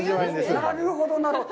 なるほど、なるほど。